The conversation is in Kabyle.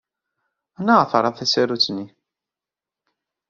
Sanda ay terramt tasarut-nwent?